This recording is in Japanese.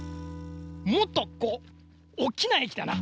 もっとこうおっきなえきだな。